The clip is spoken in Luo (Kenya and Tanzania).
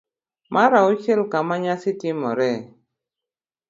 mar auchiel. Kama nyasi timoree